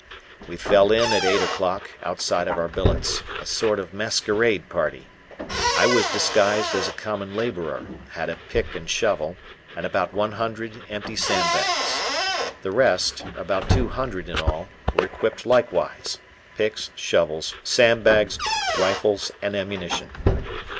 We fell in at eight o'clock, outside of our billets, a sort of masquerade party. I was disguised as a common laborer, had a pick and shovel, and about one hundred empty sandbags. The rest, about two hundred in all, were equipped likewise: picks, shovels, sandbags, rifles, and ammunition.